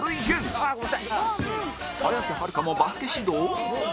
綾瀬はるかもバスケ指導？